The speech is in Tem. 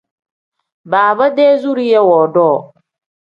Baaba-dee zuriya woodoo.